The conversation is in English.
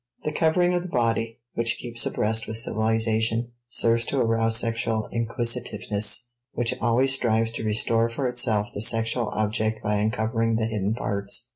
The covering of the body, which keeps abreast with civilization, serves to arouse sexual inquisitiveness, which always strives to restore for itself the sexual object by uncovering the hidden parts.